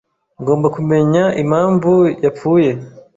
Ngomba kumenya impamvu yapfuye.